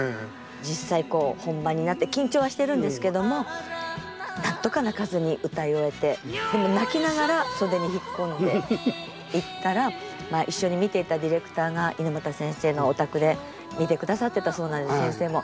実際こう本番になって緊張はしてるんですけどもなんとか泣かずに歌い終えてでも泣きながら袖に引っ込んでいったらまあ一緒に見ていたディレクターが猪俣先生のお宅で見てくださってたそうなんです先生も。